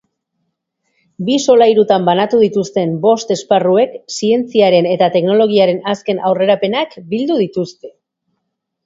Bi solairutan banatu dituzten bost esparruek zientziaren eta teknologiaren azken aurrerapenak bildu dituzte.